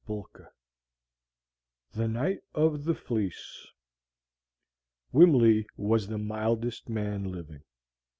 MINIMS THE NIGHT OF THE FLEECE Wimley was the mildest man living.